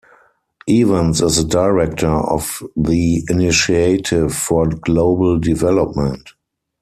Evans is a director of the Initiative for Global Development.